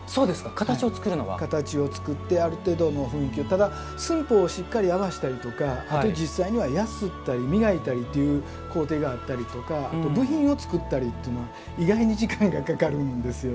ただ寸法をしっかり合わせたりとかあと実際にはやすったり磨いたりという工程があったりとかあと部品を作ったりというのは意外に時間がかかるんですよね。